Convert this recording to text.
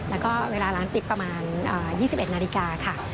แล้วก็เวลาร้านปิดประมาณ๒๑นาฬิกาค่ะ